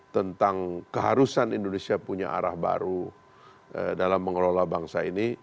tentang keharusan indonesia punya arah baru dalam mengelola bangsa ini